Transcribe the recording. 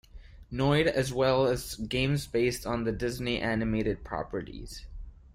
Noid as well as games based on the Disney animated properties.